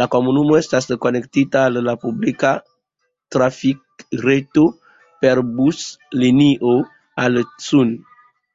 La komunumo estas konektita al la publika trafikreto per buslinio al Thun.